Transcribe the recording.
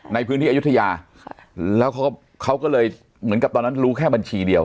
ในพื้นที่อายุทยาแล้วเขาก็เลยเหมือนกับตอนนั้นรู้แค่บัญชีเดียว